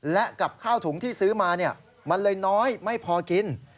และกับข้าวถุงที่ซื้อมามันเลยน้อยไม่พอกิน